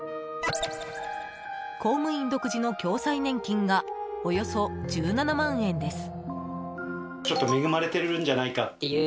公務員独自の共済年金がおよそ１７万円です。